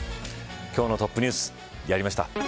今日のトップニュースやりました。